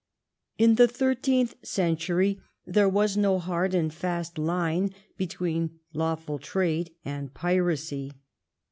In the thirteenth century there was no hard and fast line between lawful trade and piracy.